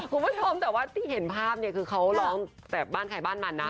คุณผู้ชมแต่ว่าที่เห็นภาพเนี่ยคือเขาร้องแบบบ้านใครบ้านมันนะ